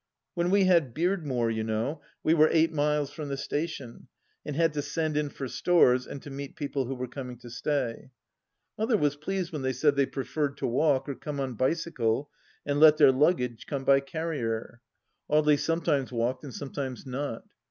When we had Beardmore, you know, we were eight miles from the station, and had to send in for stores and to meet people who were coming to stay. Mother was pleased when they said they preferred to walk or come on a bicycle, and let their luggage come by carrier. Audely sometimes walked and sometimes not.